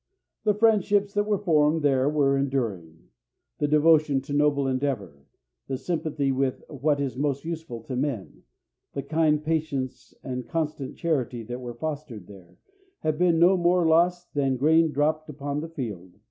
The friendships that were formed there were enduring. The devotion to noble endeavor, the sympathy with what is most useful to men, the kind patience and constant charity that were fostered there, have been no more lost than grain dropped upon the field.